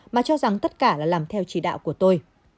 mà cho rằng tất cả là làm theo chỉ đạo của tôi